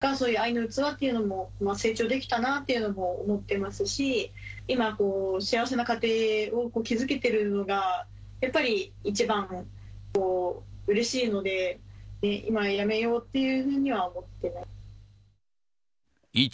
自分自身の人格だったりとか、そういう愛の器っていうのも、成長できたなというのも思ってますし、今、幸せな家庭を築けてるのが、やっぱり一番はうれしいので、今やめようっていうふうには思ってない。